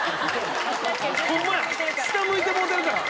下向いてもうてるから！